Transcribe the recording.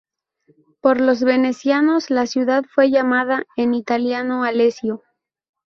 Por los venecianos, la ciudad fue llamada en italiano Alessio.